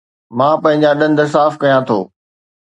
مان پنهنجا ڏند صاف ڪيان ٿو